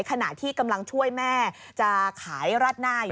ขณะที่กำลังช่วยแม่จะขายราดหน้า